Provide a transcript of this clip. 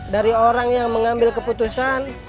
dari orang yang mengambil keputusan